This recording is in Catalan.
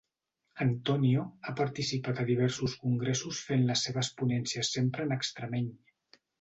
Antonio ha participat a diversos congressos fent les seves ponències sempre en extremeny.